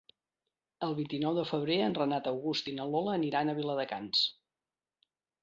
El vint-i-nou de febrer en Renat August i na Lola aniran a Viladecans.